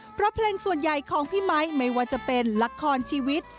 เพราะเพลงส่วนใหญ่ของพี่ไมค์ไม่ว่าจะเป็นละครชีวิต